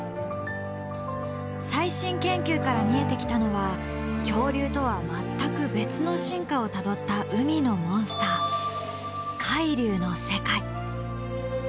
最新研究から見えてきたのは恐竜とは全く別の進化をたどった海のモンスター海竜の世界。